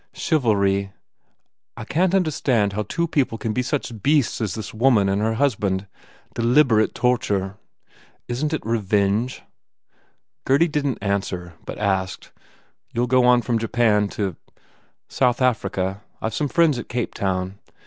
Chiv alry ... I can t understand how two people can be such beasts as this woman and her hus band. ... Deliberate torture. ... Isn t it revenge?" Gurdy didn t answer but asked, "You ll go on from Japan to " "South Africa. I ve some friends at Cape town